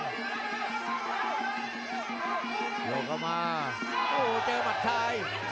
โมยงเข้ามาโอ้โหเจ๊ลหมัดทราย